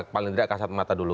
paling tidak kasat mata dulu